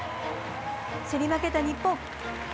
競り負けた日本。